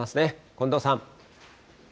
近藤さん。